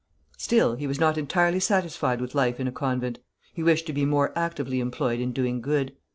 Still, he was not entirely satisfied with life in a convent; he wished to be more actively employed in doing good.